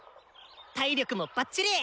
体力もバッチリ！